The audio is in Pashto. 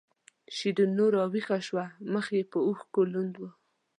شیرینو راویښه شوه مخ یې په اوښکو لوند و.